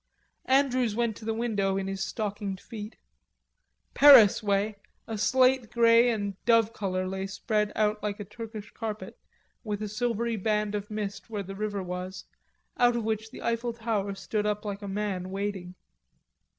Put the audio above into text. Andrews went to the window in his stockinged feet. Paris way a slate grey and dove color lay spread out like a Turkish carpet, with a silvery band of mist where the river was, out of which the Eiffel Tower stood up like a man wading.